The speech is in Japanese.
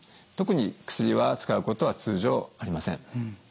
特に薬は使うことは通常ありません。